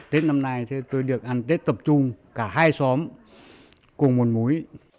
tết năm nay thì tôi được ăn tết tập trung cả hai xóm cùng một múi